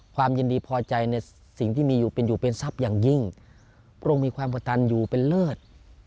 ความยินดีพอใจในสิ่งที่มีอยู่เป็นอยู่เป็นทรัพย์อย่างยิ่งพระองค์มีความกระตันอยู่เป็นเลิศ